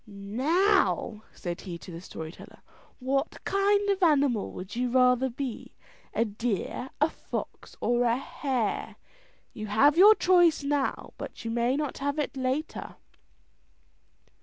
"Now," said he to the story teller, "what kind of animal would you rather be, a deer, a fox, or a hare? You have your choice now, but you may not have it later."